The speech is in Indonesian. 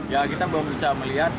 ya kita belum bisa melihat